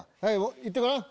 言ってごらん！